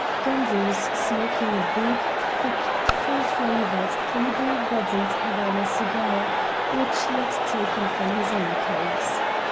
Gundy was smoking a big, thick, full flavoured, able bodied Havana cigar, which he had taken from his own case.